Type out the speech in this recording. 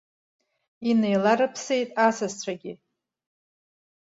Инеиларыԥсеит асасцәагьы.